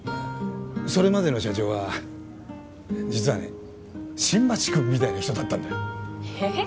それまでの社長は実はね新町君みたいな人だったんだよええ？